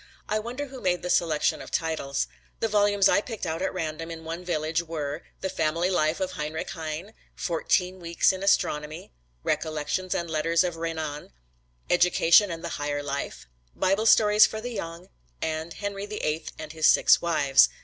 I wonder who made the selection of titles. The volumes I picked out at random in one village were: "The Family Life of Heinrich Heine," "Fourteen Weeks in Astronomy," "Recollections and Letters of Renan," "Education and the Higher Life," "Bible Stories for the Young," and "Henry the Eighth and His Six Wives."